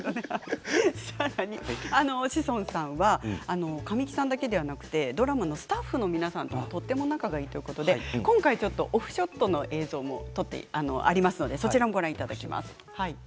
志尊さんは神木さんだけではなくてドラマのスタッフの皆さんととても仲がいいということで今回オフショットの映像もあります。